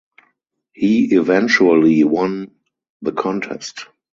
He eventually won the contest.